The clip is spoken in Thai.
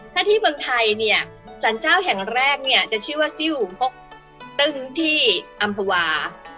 ถ้าที่เมืองไทยเนี่ยสรรเจ้าแห่งแรกเนี่ยจะชื่อว่าซิลพกตึ้งที่อำภาวา